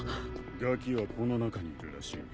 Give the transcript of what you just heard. ガキはこの中にいるらしい。